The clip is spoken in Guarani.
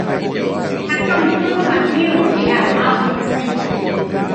Ha ko'ẽtĩ og̃uahẽvo pe ama ojehasaite